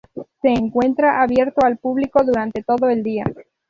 Se encuentra abierto al público durante todo el día.